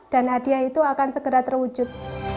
dan hadiah itu akan segera terwujud